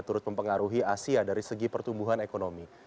turut mempengaruhi asia dari segi pertumbuhan ekonomi